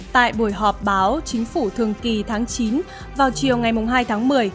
tại buổi họp báo chính phủ thường kỳ tháng chín vào chiều ngày hai tháng một mươi